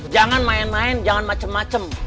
jangan main main jangan macem macem